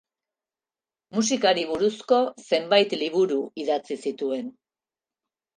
Musikari buruzko zenbait liburu idatzi zituen.